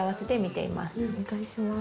お願いします。